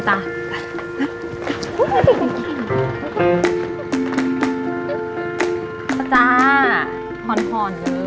ตาจ้าเมืองห่อนเลย